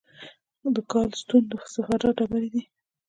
د ګال سټون د صفرا ډبرې دي.